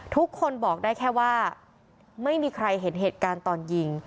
ทุกคนบอกได้แค่ว่าไม่มีใครเห็นเหตุการณ์ตอนยิง